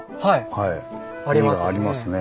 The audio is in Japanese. はいありますね。